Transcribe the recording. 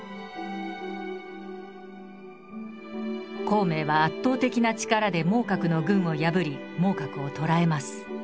孔明は圧倒的な力で孟獲の軍を破り孟獲を捕らえます。